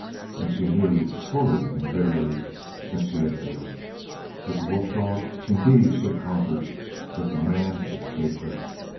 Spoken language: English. And she knew, fully and bitterly, that she had failed. With the wolf dog, indeed, she had conquered, but the man escaped her.